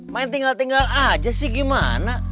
main tinggal tinggal aja sih gimana